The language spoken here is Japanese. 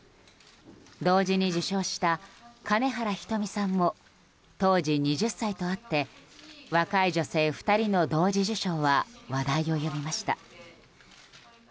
同時に受賞した金原ひとみさんも当時２０歳とあって若い女性２人の同時受賞は話題を呼びました。